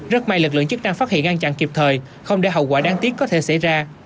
rất may lực lượng chức năng phát hiện ngăn chặn kịp thời không để hậu quả đáng tiếc có thể xảy ra